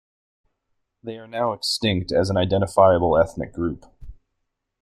They are now extinct as an identifiable ethnic group.